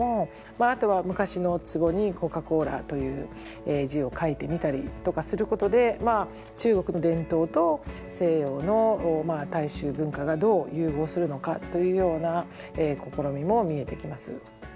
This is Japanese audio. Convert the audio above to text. あとは昔の壺に「Ｃｏｃａ−Ｃｏｌａ」という字を書いてみたりとかすることで中国の伝統と西洋の大衆文化がどう融合するのかというような試みも見えてきます。